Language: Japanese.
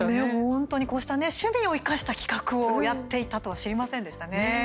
本当に、こうした趣味を生かした企画をやっていたとは知りませんでしたね。